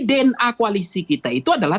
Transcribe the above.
dna koalisi kita itu adalah